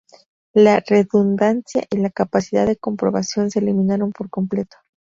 La redundancia y la capacidad de comprobación se eliminaron por completo.